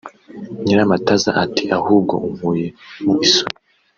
Nyiramataza ati “Ahubwo unkuye mu isoni